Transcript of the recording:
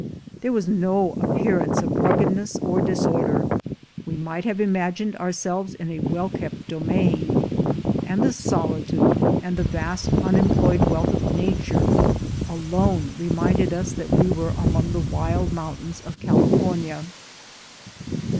There was no appearance of rug gcdness or disorder; we might have imagined our selves in a well kept domain; and the solitude, and the vast unemployed wealth of nature, alone reminded us that we were among the wild mountains of Cali fornia.